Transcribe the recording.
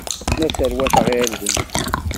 La sserwateɣ irden.